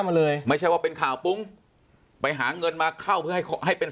มาเลยไม่ใช่ว่าเป็นข่าวปุ๊งไปหาเงินมาเข้าเพื่อให้ให้เป็น